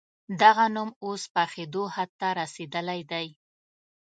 دغه نوم اوس پخېدو حد ته رسېدلی دی.